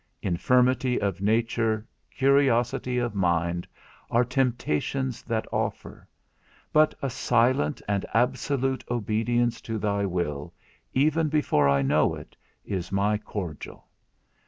Infirmity of nature, curiosity of mind, are temptations that offer; but a silent and absolute obedience to thy will, even before I know it, is my cordial.